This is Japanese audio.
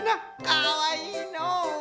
かわいいのう！